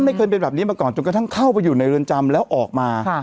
ไม่เคยเป็นแบบนี้มาก่อนจนกระทั่งเข้าไปอยู่ในเรือนจำแล้วออกมา